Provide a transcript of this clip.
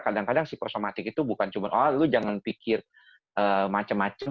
kadang kadang psikosomatik itu bukan cuma oh lu jangan pikir macam macam